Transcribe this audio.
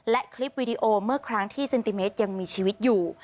และคลิปวีดีโอเมื่อครั้งที่เซนติเมตรยังมีชีวิตอยู่